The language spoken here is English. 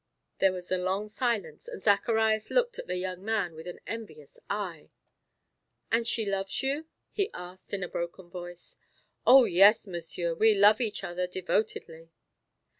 There was a long silence and Zacharias looked at the young man with an envious eye. "And she loves you?" he asked in a broken voice. "Oh, yes, Monsieur; we love each other devotedly."